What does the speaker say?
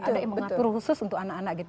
ada yang mengatur khusus untuk anak anak gitu